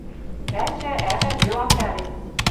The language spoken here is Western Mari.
Ӓтя, ӓвӓ делам пӓлен